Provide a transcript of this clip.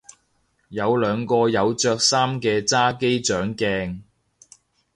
有兩個有着衫嘅揸機掌鏡